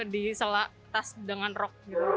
di selat tas dengan rok gitu